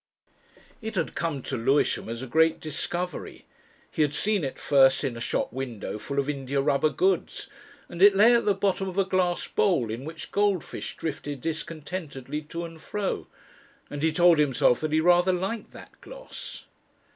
It had come to Lewisham as a great discovery. He had seen it first in a shop window full of indiarubber goods, and it lay at the bottom of a glass bowl in which goldfish drifted discontentedly to and fro. And he told himself that he rather liked that gloss.)